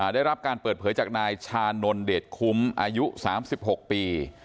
ได้รับการเปิดเผยจากนายชานนท์เดชคุ้มอายุ๓๖ปี